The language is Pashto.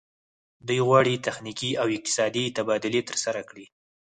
دوی غواړي تخنیکي او اقتصادي تبادلې ترسره کړي